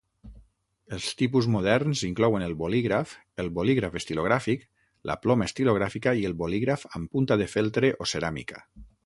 Els tipus moderns inclouen el bolígraf, el bolígraf estilogràfic, la ploma estilogràfica i el bolígraf amb punta de feltre o ceràmica.